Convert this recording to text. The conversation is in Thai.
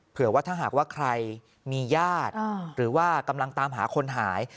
เผื่อว่าถ้าหากว่าใครมีญาติหรือว่ากำลังตามหาคนหาย